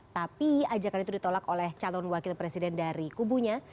tapi ajakan itu ditolak oleh calon wakil presiden dari kubunya